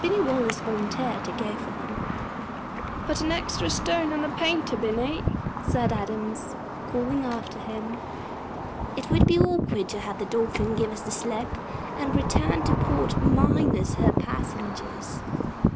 Binny Wallace volunteered to go for them. "Put an extra stone on the painter, Binny," said Adams, calling after him; "it would be awkward to have the Dolphin give us the slip and return to port minus her passengers."